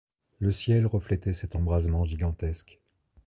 Le ciel reflétait cet embrasement gigantesque.